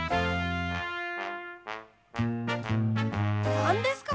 なんですか？